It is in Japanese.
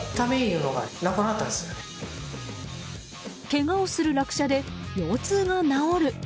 けがをする落車で腰痛が治る